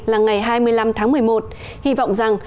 là ngày hai mươi năm tháng một mươi một hy vọng rằng